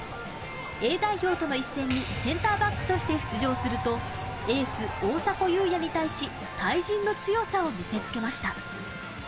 Ａ代表との一戦にセンターバックとして出場すると、エース大迫勇也に対し、対人の強さを見せつけました。